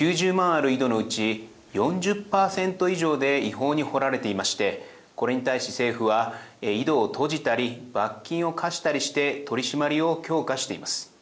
ある井戸のうち４０％以上で違法に掘られていましてこれに対し政府は井戸を閉じたり罰金を科したりして取締りを強化しています。